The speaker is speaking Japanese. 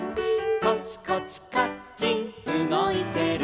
「コチコチカッチンうごいてる」